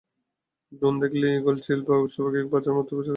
Drone দেখলে eagle, চিল, বাজপাখি, প্যাঁচার মতো পাখিদের মাথা যেন বিগড়ে যায়।